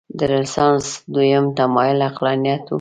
د رنسانس دویم تمایل عقلانیت و.